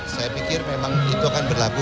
saya pikir memang itu akan berlaku